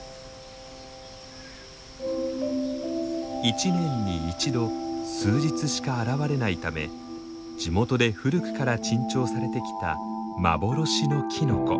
一年に一度数日しか現れないため地元で古くから珍重されてきた幻のキノコ。